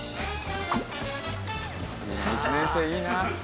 １年生いいな。